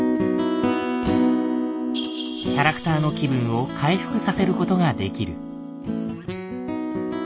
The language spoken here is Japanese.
キャラクターの気分を回復させることができる。